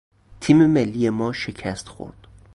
تیم ملی ما شکست خورد.